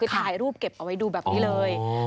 ถ่ายรูปเก็บเอาไว้ดูแบบนี้เลย